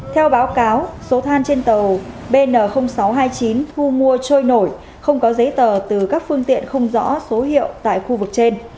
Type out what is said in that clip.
theo báo cáo số than trên tàu bn sáu trăm hai mươi chín thu mua trôi nổi không có giấy tờ từ các phương tiện không rõ số hiệu tại khu vực trên